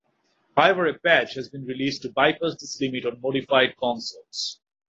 However a patch has been released to bypass this limit on modified consoles.